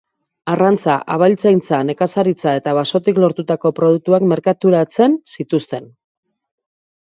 Arrantza, abeltzaintza, nekazaritza eta basotik lortutako produktuak merkaturatzen zituzten.